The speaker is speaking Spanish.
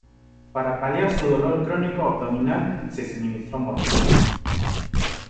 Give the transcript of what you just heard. Para paliar su dolor crónico abdominal, se suministró morfina.